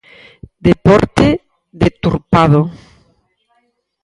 Deporte deturpado.